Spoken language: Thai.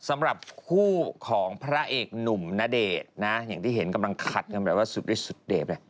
สำหรับคู่ของพระเอกหนุ่มณเดชน์นะอย่างที่เห็นกำลังคัดกันแบบว่าสุดด้วยสุดเดบเลย